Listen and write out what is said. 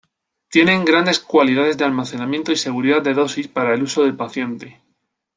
Tienen grandes cualidades de almacenamiento y seguridad de dosis para el uso del paciente.